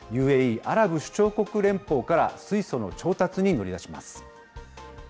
ＵＡＥ・アラブ首長国連邦から水素の調達に乗り出します。